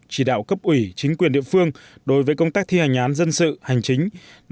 chỉ đạo cấp ủy chính quyền địa phương đối với công tác thi hành án dân sự hành chính